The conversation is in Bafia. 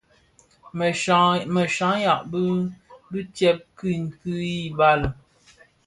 Më shyayaň bi tsèd kid hi bal.